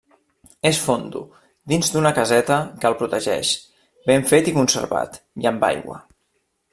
És fondo, dins d'una caseta que el protegeix, ben fet i conservat, i amb aigua.